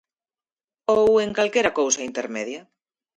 Ou en calquera cousa intermedia.